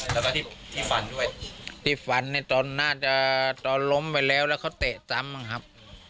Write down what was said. แล้วก็ที่ฝันด้วยที่ฝันในตอนน่าจะตอนล้มไปแล้วแล้วเขาเตะซ้ำบ้างครับ